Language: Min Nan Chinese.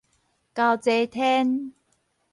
猴齊天